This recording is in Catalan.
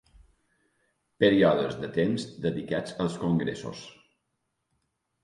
Períodes de temps dedicats als congressos.